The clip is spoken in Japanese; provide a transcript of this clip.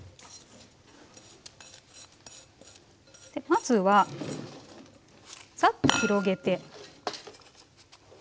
でまずはサッと広げて。